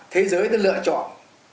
thế giới đã lựa chọn